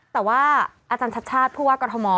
แต่ว่าอาจารย์ชัดชาติผู้ว่ากรทม